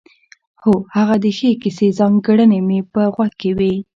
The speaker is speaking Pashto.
هو هغه د ښې کیسې ځانګړنې مې په غوږ کې وې.